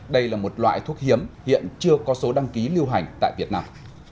đây là một loại thuốc hiếm hiện chưa có số đăng ký lưu hành tại việt nam